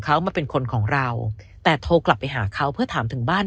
เขามาเป็นคนของเราแต่โทรกลับไปหาเขาเพื่อถามถึงบ้าน